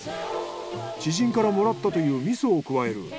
知人からもらったという味噌を加える。